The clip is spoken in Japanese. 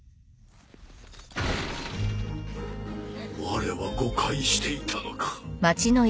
われは誤解していたのか。